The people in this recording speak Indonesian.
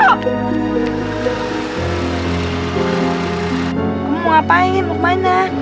aku mau ngapain mau kemana